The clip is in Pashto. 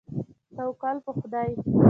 توکل په خدای.